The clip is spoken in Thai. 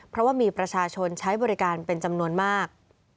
เพราะว่ามีประชาชนใช้บริการเป็นจำนวนมาก